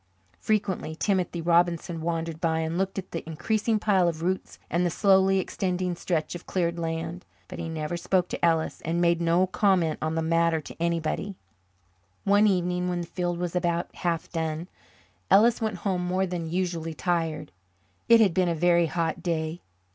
Frequently Timothy Robinson wandered by and looked at the increasing pile of roots and the slowly extending stretch of cleared land. But he never spoke to Ellis and made no comment on the matter to anybody. One evening, when the field was about half done, Ellis went home more than usually tired. It had been a very hot day.